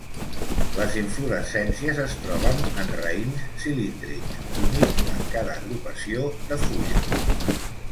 Les inflorescències es troben en raïms cilíndrics, únics en cada agrupació de fulles.